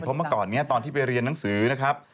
เพราะเมื่อก่อนนี้ตอนที่ไปเรียนหนังสือนะครับ